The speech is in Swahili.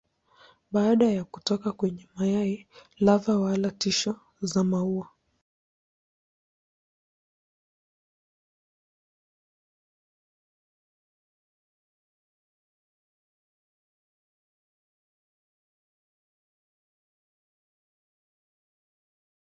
Hivyo inawezekana kuangalia hata muundo wa virusi na ndani ya atomi.